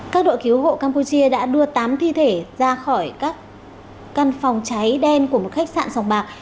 các đội cứu hộ campuchia đã đưa tám thi thể ra khỏi các căn phòng cháy đen của một khách sạn sòng bạc